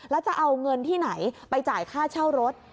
แล้วจะเอาเงินที่ไหนไปจ่ายค่าเช่ารถ